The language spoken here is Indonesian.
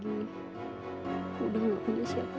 aku udah enggak punya siapa siapa